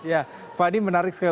ya fadi menarik sekali ya